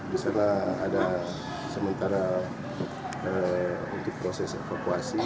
di sana ada sementara untuk proses evakuasi